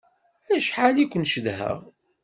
Acḥal i ken-cedhaɣ!